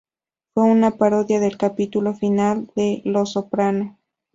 Fue una parodia del capítulo final de "Los Soprano".